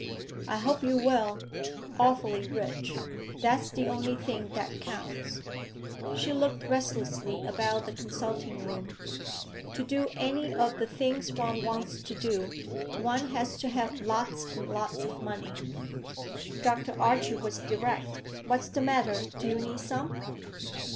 "I hope you will; awfully rich. That's the only thing that counts." She looked restlessly about the consulting room. "To do any of the things one wants to do, one has to have lots and lots of money." Dr. Archie was direct. "What's the matter? Do you need some?"